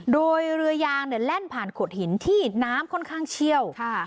โดยเรือยางแล่นผ่านโขดหินที่น้ำค่อนข้างเชี่ยว